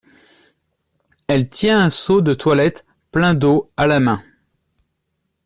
Elle tient un seau de toilette plein d’eau à la. main.